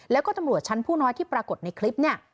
แล้วก็ตำรวจชั้นผู้น้อยที่ปรากฏในคลิปเนี่ย